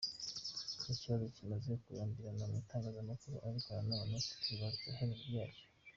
Ikibazo kimaze kurambirana mu itangazamakuru ariko nanone hakibazwa iherezo ryacyo.